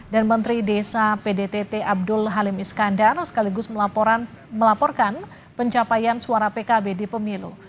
dan menteri desa pdtt abdul halim iskandar sekaligus melaporkan pencapaian suara pkb di pemilu